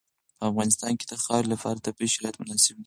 په افغانستان کې د خاوره لپاره طبیعي شرایط مناسب دي.